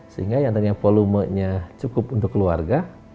sehingga yang tadinya volumenya cukup untuk keluarga